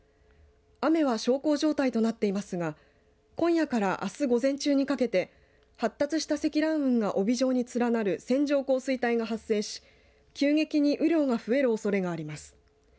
雨は小康状態となっていますが今夜から、あす午前中にかけて発達した積乱雲が帯状に連なる線状降水帯が発生し急激に雨量が増えるおそれがあります。